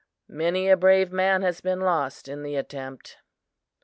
Many a brave man has been lost in the attempt.